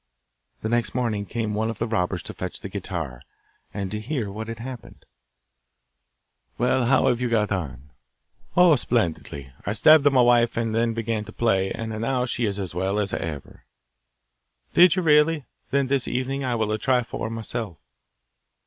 The next morning came one of the robbers to fetch the guitar, and to hear what had happened. 'Well, how have you got on?' 'Oh, splendidly! I stabbed my wife, and then began to play, and now she is as well as ever.' 'Did you really? Then this evening I will try for myself.